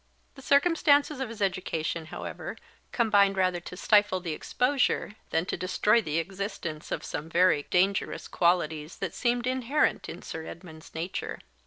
The circumstances of his education, however, combined rather to stifle the exposure than to destroy the existence of some very dangerous qualities that seemed inherent in Sir Edmund's nature.